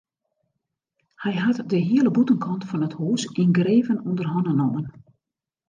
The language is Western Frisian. Hy hat de hiele bûtenkant fan it hús yngreven ûnder hannen nommen.